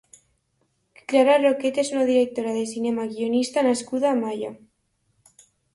Clara Roquet és una directora de cinema i guionista nascuda a Malla.